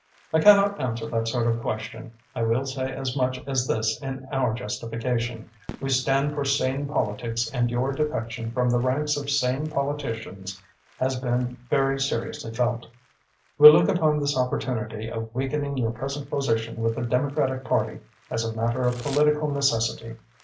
"I cannot answer that sort of question. I will say as much as this in our justification. We stand for sane politics and your defection from the ranks of sane politicians has been very seriously felt. We look upon this opportunity of weakening your present position with the Democratic Party as a matter of political necessity.